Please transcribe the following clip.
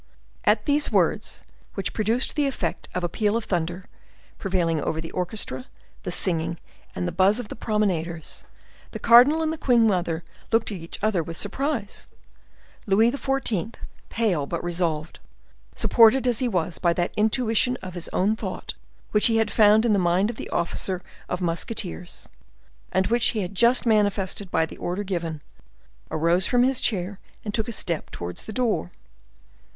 At these words, which produced the effect of a peal of thunder, prevailing over the orchestra, the singing and the buzz of the promenaders, the cardinal and the queen mother looked at each other with surprise. Louis XIV., pale, but resolved, supported as he was by that intuition of his own thought which he had found in the mind of the officer of musketeers, and which he had just manifested by the order given, arose from his chair, and took a step towards the door.